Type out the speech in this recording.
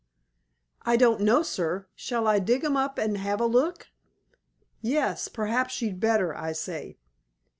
"I don't know, Sir. Shall I dig 'em up and have a look?" "Yes, perhaps you'd better," I say.